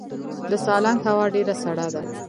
د سالنګ هوا ډیره سړه ده